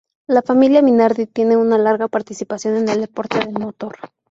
La familia Minardi tiene una larga participación en el deporte del motor.